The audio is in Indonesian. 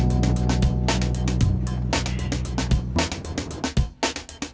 ini bu di supir taksi